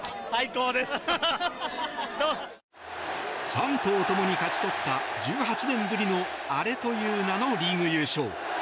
ファンと共に勝ち取った１８年ぶりのアレという名のリーグ優勝。